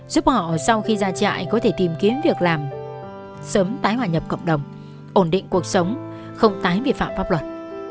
giúp họ sau khi ra trại có thể tìm kiếm việc làm sớm tái hòa nhập cộng đồng ổn định cuộc sống không tái bị phạm pháp luật